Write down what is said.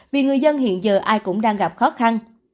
vì người dân hiện giờ ai cũng đang gặp khó khăn